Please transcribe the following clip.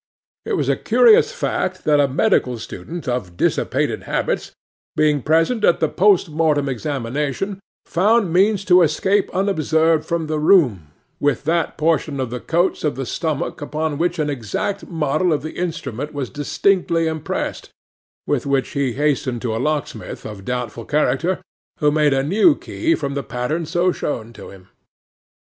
It was a curious fact that a medical student of dissipated habits, being present at the post mortem examination, found means to escape unobserved from the room, with that portion of the coats of the stomach upon which an exact model of the instrument was distinctly impressed, with which he hastened to a locksmith of doubtful character, who made a new key from the pattern so shown to him.